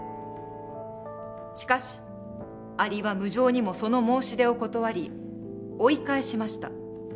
しかしアリは無情にもその申し出を断り追い返しました。